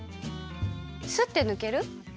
すってぬける？